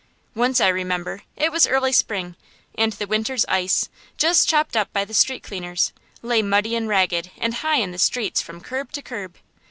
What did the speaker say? Once, I remember, it was early spring, and the winter's ice, just chopped up by the street cleaners, lay muddy and ragged and high in the streets from curb to curb.